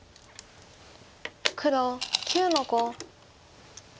黒９の五。